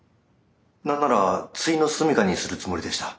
何ならついの住みかにするつもりでした。